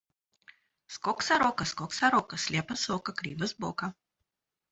Скок, сорока, скок, сорока, слепа с ока, крива с бока.